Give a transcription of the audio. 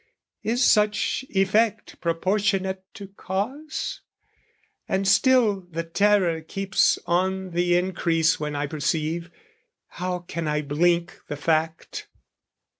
Is such effect proportionate to cause? And still the terror keeps on the increase When I perceive...how can I blink the fact?